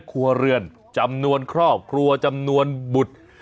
ครัวเรือนจำนวนครอบครัวจำนวนบุตร